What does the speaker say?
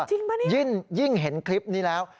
จริงป่ะนี่ยิ้นยิ่งเห็นคลิปนี่แล้ว